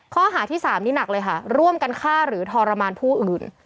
ข้อหาที่๓นี่หนักเลยค่ะร่วมกันฆ่าหรือทรมานผู้อื่น